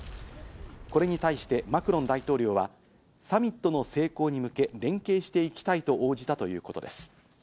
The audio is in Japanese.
これに対してマクロン大統領は、サミットの成功に向け連携していきたいと応じたということです。